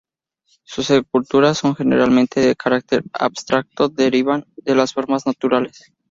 Sus esculturas son generalmente de carácter abstracto, derivan de las formas naturales.